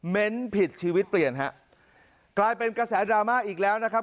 ผิดชีวิตเปลี่ยนฮะกลายเป็นกระแสดราม่าอีกแล้วนะครับ